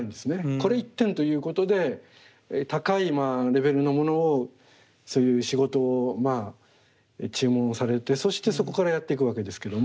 これ１点ということで高いレベルのものをそういう仕事を注文されてそしてそこからやっていくわけですけども。